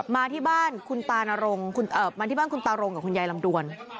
มาที่บ้านคุณตารงกับคุณยายลำดวน